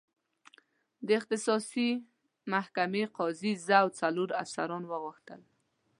د اختصاصي محکمې قاضي زه او څلور افسران وغوښتل.